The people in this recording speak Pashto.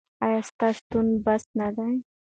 ایا ستا شتون بس نه دی؟